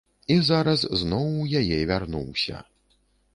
І зараз зноў у яе вярнуўся.